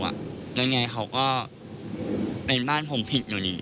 ยังไงเขาก็เป็นบ้านผมผิดอยู่ดี